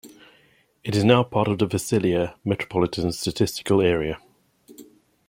It is part of the Visalia Metropolitan Statistical Area.